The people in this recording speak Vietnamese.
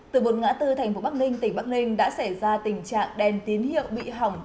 từ bốn ngã tư thành phố bắc ninh tỉnh bắc ninh đã xảy ra tình trạng đèn tín hiệu bị hỏng